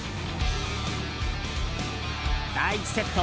第１セット